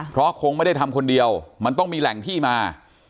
เพราะคงไม่ได้ทำคนเดียวมันต้องมีแหล่งที่มา